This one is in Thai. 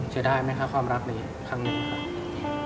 เศร้าได้ไหมค่ะความรักนี้ครั้งหนึ่งค่ะ